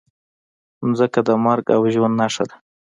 مځکه د مرګ او ژوند نښه ده.